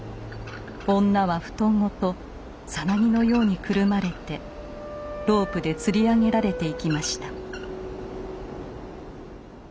女は布団ごとサナギのようにくるまれてロープでつり上げられていきました。